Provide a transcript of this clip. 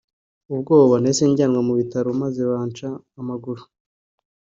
ubwoba nahise njyanwa mu bitaro maze banca amaguru